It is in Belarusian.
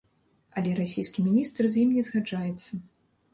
Але расійскі міністр з ім не згаджаецца.